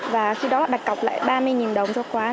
và khi đó là đặt cọc lại ba mươi đồng